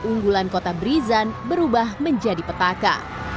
unggulan kota brisan berubah menjadi petaka